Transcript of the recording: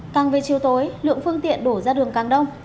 càng về chiều tối lượng phương tiện đổ ra đường càng đông